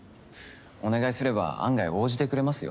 お願いすれば案外応じてくれますよ